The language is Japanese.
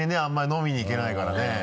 あんまり飲みに行けないからね。